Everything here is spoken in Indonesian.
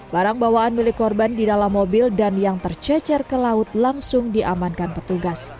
barang bawaan milik korban di dalam mobil dan yang tercecer ke laut langsung diamankan petugas